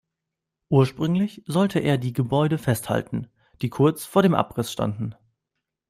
Ursprünglich sollte er die Gebäude festhalten, die kurz vor dem Abriss standen.